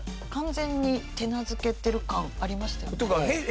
完全に手なずけてる感ありましたよね。